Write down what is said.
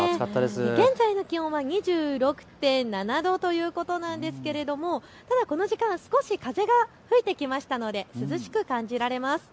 現在の気温は２６．７度ということなんですけれどもこの時間、少し風が吹いてきましたので涼しく感じられます。